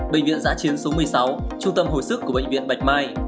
bệnh viện giã chiến số một mươi sáu trung tâm hồi sức của bệnh viện bạch mai